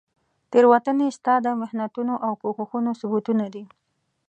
تیروتنې ستا د محنتونو او کوښښونو ثبوتونه دي.